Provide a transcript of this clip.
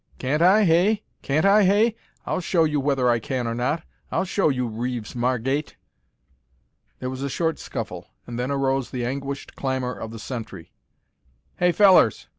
"Can't I, hey? Can't I, hey? I'll show you whether I can or not! I'll show you, Reeves Margate!" There was a short scuffle, and then arose the anguished clamor of the sentry: "Hey, fellers!